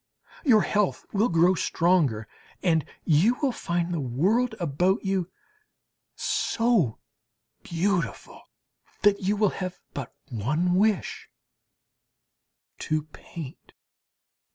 Your health will grow stronger, and you will find the world about you so beautiful, that you will have but one wish to paint.